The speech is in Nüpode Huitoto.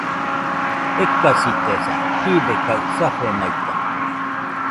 Ekasitesa, jibe kaɨ safenaita